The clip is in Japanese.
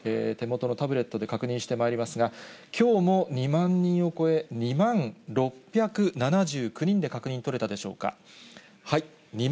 手元のタブレットで確認してまいりますが、きょうも２万人を超え、２万６７９人で確認取れたでしょうか。